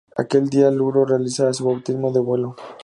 Aquel día, Luro realiza su bautismo de vuelo.